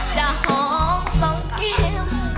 จะหอมสองกิม